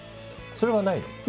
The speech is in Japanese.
それはないの？